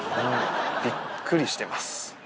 びっくりしてます。